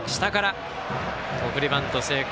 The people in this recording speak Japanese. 送りバント成功。